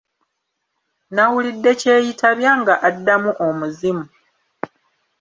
Nawulidde kyeyitabya nga addamu omuzimu.